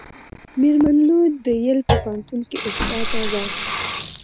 میرمن لو د ییل په پوهنتون کې استاده ده.